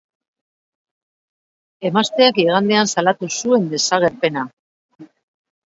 Emazteak igandean salatu zuen desagerpena.